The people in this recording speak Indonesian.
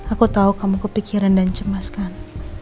aku tahu kamu kepikiran dan cemas kan